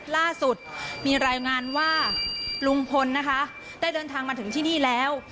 ล่าสุดมีรายงานว่าลุงพลนะคะได้เดินทางมาถึงที่นี่แล้ว